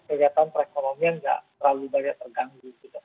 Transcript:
kelihatan perekonomian gak terlalu banyak terganggu gitu